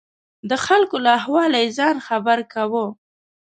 د خلکو له احواله یې ځان خبر کاوه.